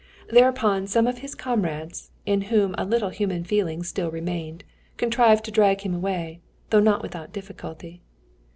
Thereupon some of his comrades, in whom a little human feeling still remained, contrived to drag him away, though not without difficulty.